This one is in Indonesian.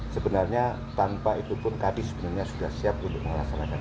sebenarnya tanpa itu pun kadis sebenarnya sudah siap untuk melaksanakan